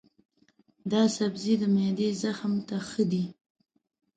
دا سبزی د معدې زخم ته ښه دی.